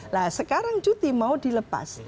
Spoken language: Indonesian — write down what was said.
nah sekarang cuti mau dilepas